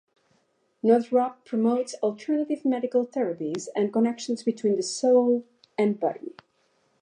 Northrup promotes alternative medical therapies and connections between the soul and body.